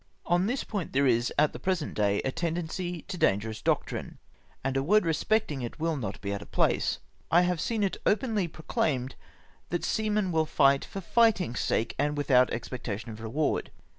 On this point there is, at the present day, a tendency to dangerons doctrme ; and a word respectmg it will not be out of place. I have seen it openly proclaimed that seamen will fisT; ht for fio;]itino:'s sake, and without expectation of reward.